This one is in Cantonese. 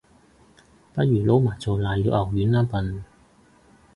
不如撈埋做瀨尿牛丸吖笨